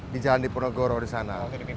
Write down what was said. di jalan diponegoro di sana